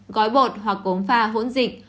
gói bột hoặc cống pha hỗn dịch